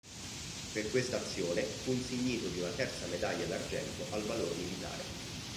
Per questa azione fu insignito di una terza Medaglia d'argento al valor militare.